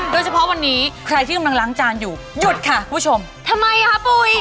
โดยเฉพาะวันนี้ใครที่กำลังล้างจานอยู่หยุดค่ะคุณผู้ชมทำไมอ่ะคะปุ๋ย